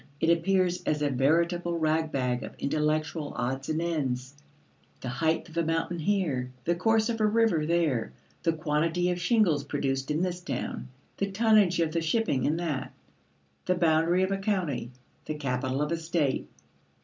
It appears as a veritable rag bag of intellectual odds and ends: the height of a mountain here, the course of a river there, the quantity of shingles produced in this town, the tonnage of the shipping in that, the boundary of a county, the capital of a state.